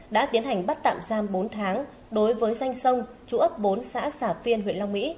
đã tiến hành bắt tạm giam bốn tháng đối với danh sông chú ấp bốn xã xà phiên huyện long mỹ